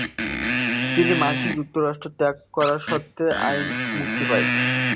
তিনি মার্কিন যুক্তরাষ্ট্র ত্যাগ করার শর্তে আইন মুক্তি পায়।